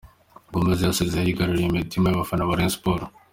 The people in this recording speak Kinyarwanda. Gomez yasize yigaruriye imitima y’abafana ba Rayon Sports.